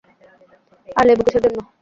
আর লেবু কীসের জন্য?